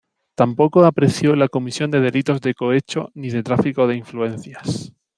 Tampoco apreció la comisión de delitos de cohecho ni de tráfico de influencias.